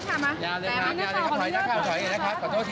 ข้อยหลังนิดนึง